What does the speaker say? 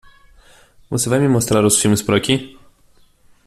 Você vai me mostrar os filmes por aqui?